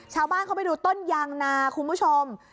ชาวบ้านเขาไปดูต้นยางนาคุณผู้ชม